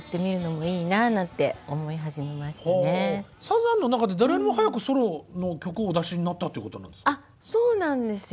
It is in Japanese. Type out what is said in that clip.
サザンの中で誰よりも早くソロの曲をお出しになったってことなんですか？